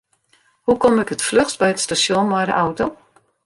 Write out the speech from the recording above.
Hoe kom ik it fluchst by it stasjon mei de auto?